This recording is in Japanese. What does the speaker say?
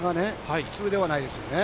普通ではないですよね。